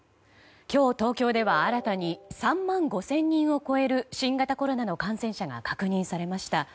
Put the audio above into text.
今日、東京では新たに３万５０００人を超える新型コロナの感染者が確認されました。